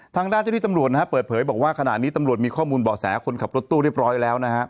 ทางด้านเจ้าที่ตำรวจนะฮะเปิดเผยบอกว่าขณะนี้ตำรวจมีข้อมูลบ่อแสคนขับรถตู้เรียบร้อยแล้วนะฮะ